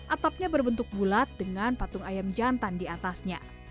atapnya berbentuk bulat dengan patung ayam jantan di atasnya